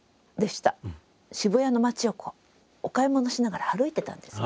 渋谷の街をこうお買い物をしながら歩いてたんです。